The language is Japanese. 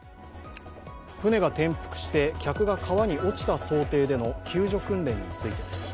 舟が転覆して客が川に落ちた想定での救助訓練についてです。